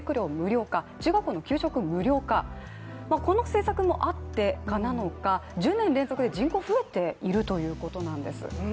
この政策もあってなのか、１０年連続で人口が増えているということなんです。